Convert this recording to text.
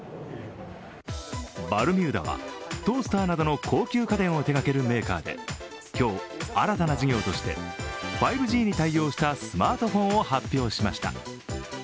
バルミューダはトースターなどの高級家電を手がけるメーカーで今日、新たな事業として５Ｇに対応したスマートフォンを発表しました。